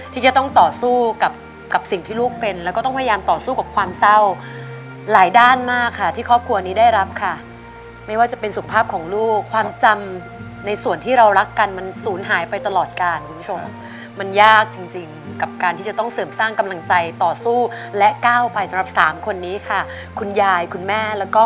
ที่จะต้องต่อสู้กับสิ่งที่ลูกเป็นแล้วก็ต้องพยายามต่อสู้กับความเศร้าหลายด้านมากค่ะที่ครอบครัวนี้ได้รับค่ะไม่ว่าจะเป็นสุขภาพของลูกความจำในส่วนที่เรารักกันมันศูนย์หายไปตลอดการคุณผู้ชมมันยากจริงจริงกับการที่จะต้องเสริมสร้างกำลังใจต่อสู้และก้าวไปสำหรับสามคนนี้ค่ะคุณยายคุณแม่แล้วก็